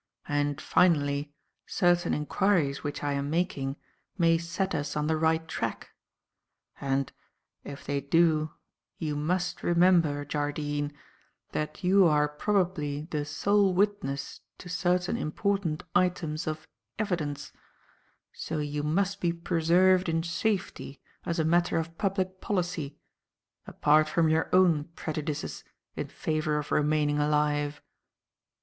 And finally, certain enquiries which I am making may set us on the right track. And, if they do, you must remember, Jardine, that you are probably the sole witness to certain important items of evidence; so you must be preserved in safety as a matter of public policy, apart from your own prejudices in favour of remaining alive."